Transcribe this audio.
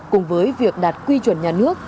cùng với việc đạt quy chuẩn nhà nước